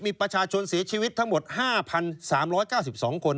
มีประชาชนเสียชีวิตทั้งหมด๕๓๙๒คน